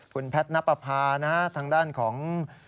คุณแพทย์นับประพานะฮะทางด้านของ